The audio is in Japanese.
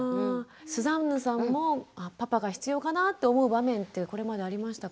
スザンヌさんもパパが必要かなと思う場面ってこれまでありましたか？